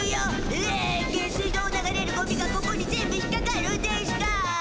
ひえ下水道を流れるゴミがここに全部引っかかるんでしゅか？